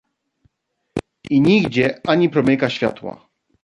"I nigdzie ani promyka światła."